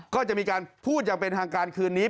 ก็จะมีการพูดอย่างเป็นทางการคืนนี้